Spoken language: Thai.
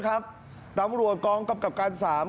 นะครับตำรวจกล้องกรรมกับการสาม